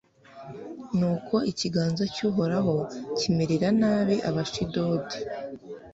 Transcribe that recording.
nuko ikiganza cy'uhoraho kimerera nabi abashidodi